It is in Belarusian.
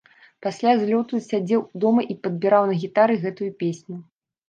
Пасля злёту сядзеў дома і падбіраў на гітары гэтую песню.